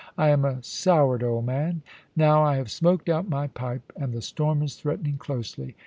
I am a soured old man. Now, I have smoked out my pipe, and the storm is threatening closely.